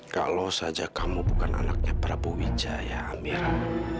kalo saja kamu bukan anaknya prabu wijaya amirah